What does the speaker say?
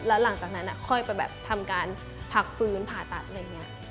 แล้วหลังจากนั้นค่อยไปแบบทำการพักฟื้นผ่าตัดอะไรอย่างนี้